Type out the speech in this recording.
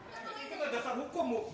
ini tidak dasar hukum disini semuanya hukum